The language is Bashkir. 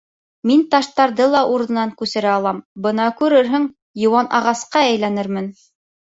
Мин таштарҙы ла урынынан күсерә алам, бына күрерһең, йыуан ағасҡа әйләнермен.